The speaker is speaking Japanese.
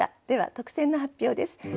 では特選の発表です。